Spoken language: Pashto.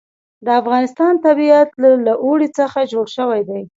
د افغانستان طبیعت له اوړي څخه جوړ شوی دی.